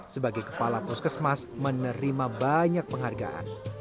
sebagai kepala puskesmas menerima banyak penghargaan